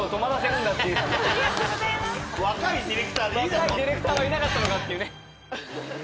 若いディレクターはいなかったのかっていうね。